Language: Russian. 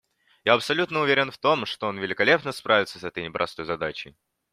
Я абсолютно уверен в том, что он великолепно справится с этой непростой задачей.